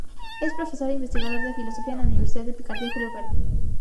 Es profesor-investigador de Filosofía en la Universidad de Picardía Julio Verne.